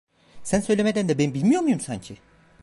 Sen söylemeden de ben bilmiyor muyum sanki?